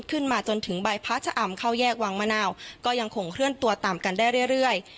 ขึ้นมาจนถึงใบพระชะอำเข้าแยกวังมะนาวก็ยังคงเคลื่อนตัวตามกันได้เรื่อย